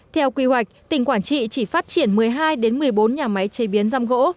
theo quy hoạch tỉnh quảng trị chỉ phát triển một mươi hai một mươi bốn nhà máy chế biến răm gỗ